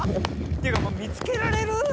ていうかもう見つけられる？